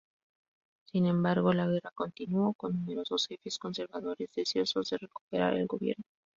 Sin embargo la guerra continuó con numerosos jefes conservadores deseosos de recuperar el gobierno.